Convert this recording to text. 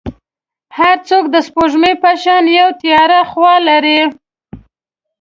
هر څوک د سپوږمۍ په شان یو تیاره خوا لري.